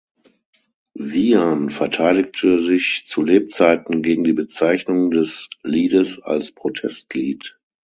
Vian verteidigte sich zu Lebzeiten gegen die Bezeichnung des Liedes als Protestlied.